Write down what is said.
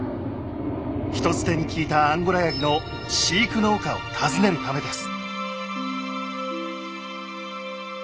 人づてに聞いたアンゴラやぎの飼育農家を訪ねるためです。